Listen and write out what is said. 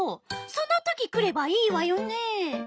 その時来ればいいわよね。